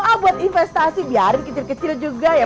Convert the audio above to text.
ah buat investasi biarin kecil kecil juga ya